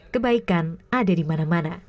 kebaikan ada dimana mana